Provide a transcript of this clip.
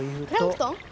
プランクトン？